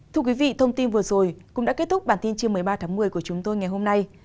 thưa quý vị thông tin vừa rồi cũng đã kết thúc bản tin trưa một mươi ba tháng một mươi của chúng tôi ngày hôm nay